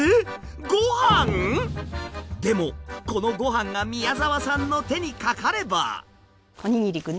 ごはん⁉でもこのごはんが宮澤さんの手にかかれば。